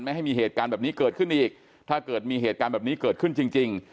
ให้มีเหตุการณ์แบบนี้เกิดขึ้นอีกถ้าเกิดมีเหตุการณ์แบบนี้เกิดขึ้นจริง